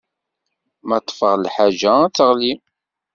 Ma ṭṭfeɣ lḥaǧa, ad teɣli.